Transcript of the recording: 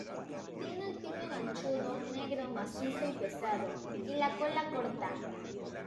Tiene el pico ganchudo, negro, macizo y pesado, y la cola corta.